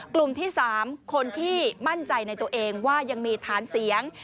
กลุ่มที่๓คนที่มั่นใจในตัวเองว่ายังมีฐานเสียง